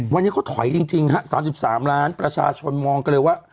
วันนี้เขาถอยจริงฮะ๓๓ล้านประชาชนมองกันเลยว่า